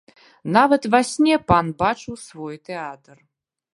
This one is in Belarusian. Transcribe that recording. Нават ва сне пан бачыў свой тэатр.